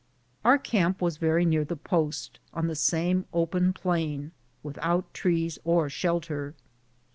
Our camp was very near the post, on the same open plain, without trees or shelter.